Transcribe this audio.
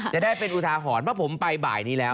จะได้เป็นอุทาหรณ์เพราะผมไปบ่ายนี้แล้ว